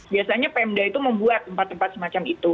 biasanya pemda itu membuat tempat tempat semacam itu